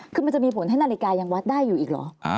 คือมันจะมีผลให้นาฬิกายังวัดได้อยู่อีกเหรอ